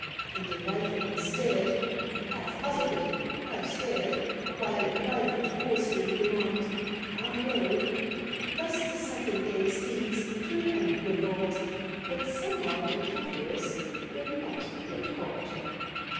And the Riflemen stared, Half puzzled, half scared, While a private coarsely remarked, "I'm blowed." Thus the second day's deeds to an end were brought, But somehow the Kafirs were not yet caught.